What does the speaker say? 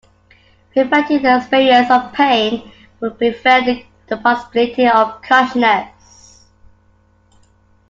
Preventing the experience of pain would prevent the possibility of consciousness.